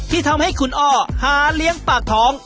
ที่ทำให้คุณอ้อหาเลี้ยงปากท้อง